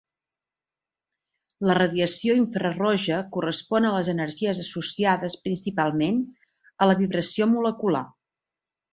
La radiació infraroja correspon a les energies associades principalment a la vibració molecular.